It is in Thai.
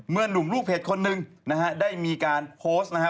หนุ่มลูกเพจคนหนึ่งนะฮะได้มีการโพสต์นะฮะ